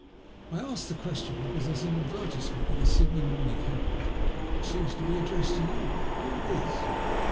"I ask the question because there's an advertise ment in the Sydney Morning Herald which seems to be addressed to you. Here it is